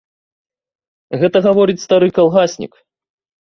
Гэта гаворыць стары калгаснік.